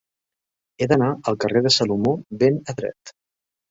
He d'anar al carrer de Salomó ben Adret